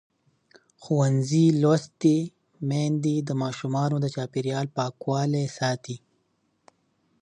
ښوونځې لوستې میندې د ماشومانو د چاپېریال پاکوالي ساتي.